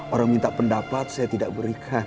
orang minta pendapat saya tidak berikan